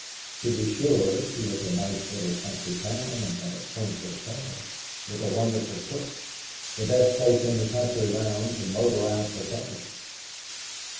To be sure, she was a nice little country town and had a quaint hotel, with a wonderful cook; the best place in the country round to motor out for supper.